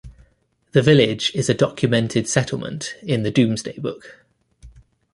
The village is a documented settlement in the "Domesday Book".